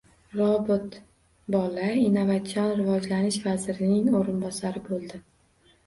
Robot bola innovatsion rivojlanish vazirining o'rinbosari bo'ldi